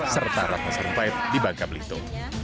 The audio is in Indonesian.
serta rafa sarpait di bangka blito